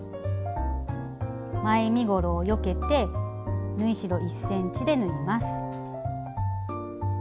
前身ごろをよけて縫い代１ｃｍで縫います。